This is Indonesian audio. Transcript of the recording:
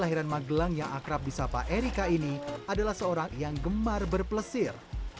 lahiran magelang yang akrab bisapa erika ini adalah seorang yang gemar berplesir